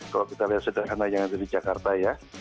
kalau kita lihat sederhana yang ada di jakarta ya